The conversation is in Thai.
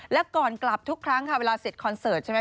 และก่อนกลับทุกครั้งค่ะเวลาเสร็จคอนเสิร์ตใช่ไหม